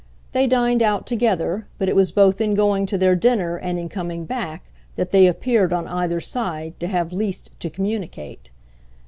They dined out together, but it was both in going to their dinner and in coming back that they appeared, on either side, to have least to communicate.